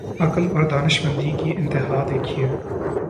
عقل اور دانشمندی کی انتہا دیکھیے۔